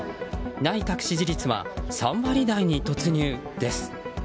内閣支持率は３割台に突入です。